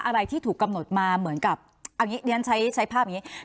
อะไรที่ถูกกำหนดมาเหมือนกับเอาอย่างนี้เรียนใช้ภาพอย่างนี้